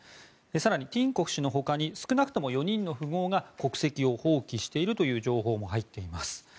更にティンコフ氏のほかに少なくとも４人の富豪が国籍を放棄しているという情報も入っています。